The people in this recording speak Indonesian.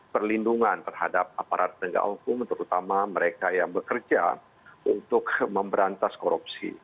perlindungan terhadap aparat penegak hukum terutama mereka yang bekerja untuk memberantas korupsi